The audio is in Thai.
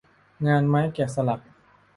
งานไม้แกะสลัก